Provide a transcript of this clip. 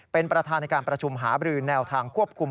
เป็นประธานในการประชุมหาบรือแนวทางควบคุม